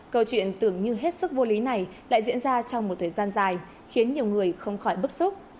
câu chuyện tưởng như hết sức vô lý này lại diễn ra trong một thời gian dài khiến nhiều người không khỏi bức xúc